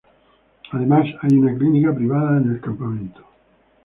Además, hay una clínica privada en el campamento.